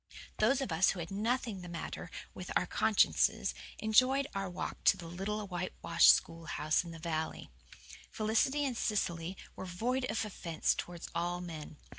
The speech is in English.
Those of us who had nothing the matter with our consciences enjoyed our walk to the little whitewashed schoolhouse in the valley. Felicity and Cecily were void of offence towards all men.